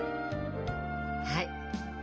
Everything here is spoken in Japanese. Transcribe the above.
はい。